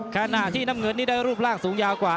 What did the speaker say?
ขณะที่น้ำเงินนี่ได้รูปร่างสูงยาวกว่า